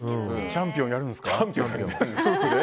「チャンピオン」やるんですか。